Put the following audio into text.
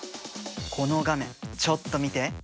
この画面ちょっと見て。